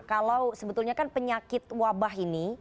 kalau sebetulnya kan penyakit wabah ini